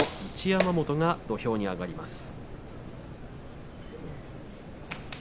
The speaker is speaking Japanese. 山本が土俵に上がります。